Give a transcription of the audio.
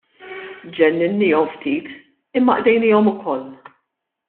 Ġenninniehom ftit imma qdejniehom ukoll.